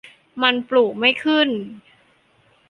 มันปลูกไม่ขึ้น !